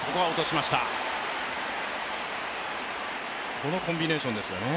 このコンビネーションですよね。